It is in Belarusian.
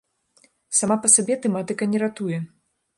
Сама па сабе тэматыка не ратуе.